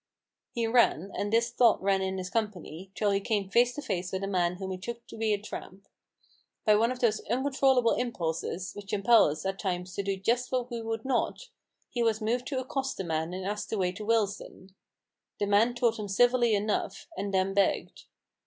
He ran, and this thought ran in his company, till he came face to face with a man whom he took to be a tramp. By one of those uncontrollable impulses, which impel us at times to do just what we would not, he was HUGO RAVEN'S HAND. 167 moved to accost the man and ask the way to Willesden. The man told him civilly enough ; and then begged.